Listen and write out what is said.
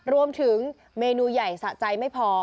รวมถึงเมนูใหญ่สะใจไม่พอ